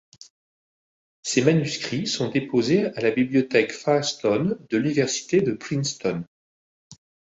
Ses manuscrits sont déposés à la Bibliothèque Firestone de l'université de Princeton.